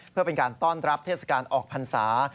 เพื่อเป็นการต้อนรับเทศกาลออกพรรษา